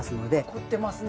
凝ってますね。